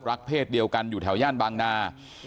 เพศเดียวกันอยู่แถวย่านบางนา